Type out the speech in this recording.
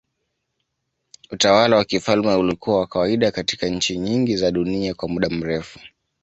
Utawala wa kifalme ulikuwa wa kawaida katika nchi nyingi za dunia kwa muda mrefu.